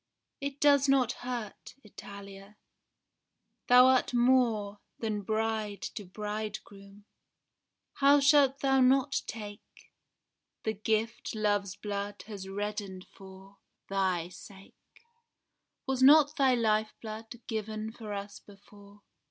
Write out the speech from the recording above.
It does not hurt, Italia. Thou art more Than bride to bridegroom; how shalt thou not take The gift love's blood has reddened for thy sake? Was not thy lifeblood given for us before?